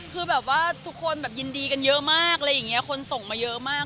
คือแบบว่าทุกคนยินดีกันเยอะมากคนส่งมาเยอะมาก